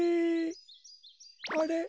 あれ？